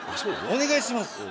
お願いします